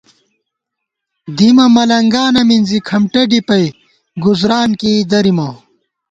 دِیمہ ملَنگانہ مِنزی، کھمٹہ ڈِپَئ ، گُزُران کېئ درِیمہ